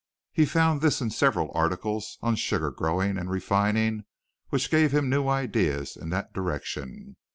He found this and several articles on sugar growing and refining which gave him new ideas in that direction.